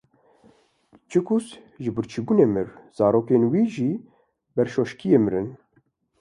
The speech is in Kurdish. Çikûs ji birçîbûnê mir, zarokên wî ji berşoşkiyê mirin.